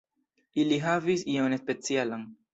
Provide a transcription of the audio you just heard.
Ili havis ion specialan.